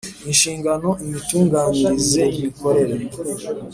Inshingano, imitunganyirize n’imikorere